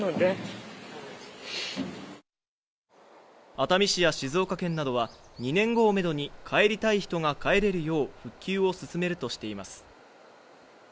熱海市や静岡県などは、２年後をめどに帰りたい人が帰れるよう復旧を進めるとしています。